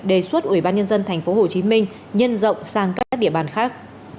đề xuất ubnd tp hcm nhân rộng sang các địa bàn khác